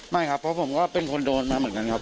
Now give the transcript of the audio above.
ไม่ครับเพราะผมก็เป็นคนโดนมาเหมือนกันครับ